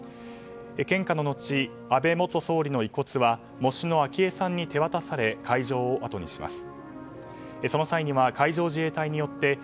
献花の後、安倍元総理の遺骨は喪主の昭恵さんに手渡され会場をあとにします。